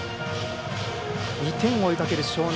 ２点を追いかける樟南。